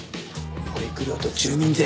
保育料と住民税